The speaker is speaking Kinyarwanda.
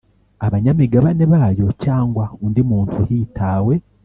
Abanyamigabane bayo cyangwa undi muntu hitawe